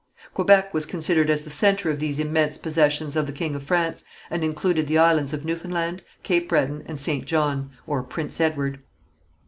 Quebec was considered as the centre of these immense possessions of the king of France, and included the islands of Newfoundland, Cape Breton and St. John (Prince Edward).